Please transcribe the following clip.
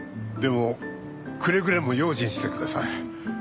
でもくれぐれも用心してください。